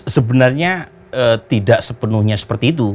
sebenarnya tidak sepenuhnya seperti itu